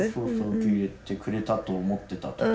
受け入れてくれたと思ってた時。